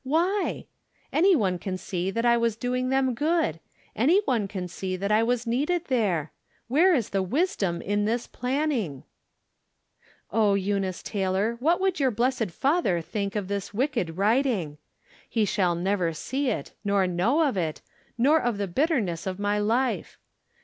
Why ? Any one can see that I was doing them good ; any one can see that I was needed there. Where is the wisdom in this planning ? Oh, Eunice Taylor, what would your blessed father think of this wicked writing ! He shall never see it, nor know of it, nor of the bitterness of my life